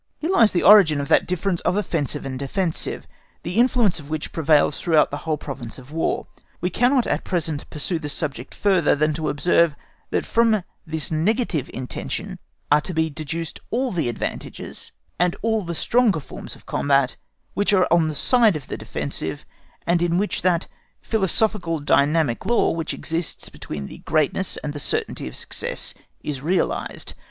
Here lies the origin of that difference of Offensive and Defensive, the influence of which prevails throughout the whole province of War. We cannot at present pursue this subject further than to observe that from this negative intention are to be deduced all the advantages and all the stronger forms of combat which are on the side of the Defensive, and in which that philosophical dynamic law which exists between the greatness and the certainty of success is realised.